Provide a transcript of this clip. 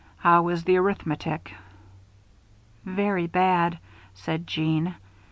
"How is the arithmetic?" "Very bad," said Jeanne.